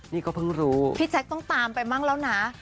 นี่ก็เพิ่งรู้พี่แจ๊คต้องตามไปมั่งแล้วนะ